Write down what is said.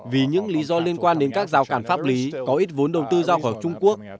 vì những lý do liên quan đến các rào cản pháp lý có ít vốn đầu tư ra khỏi trung quốc